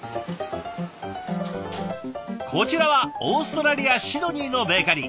こちらはオーストラリア・シドニーのベーカリー。